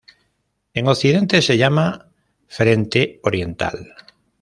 En Occidente se llama Frente Oriental.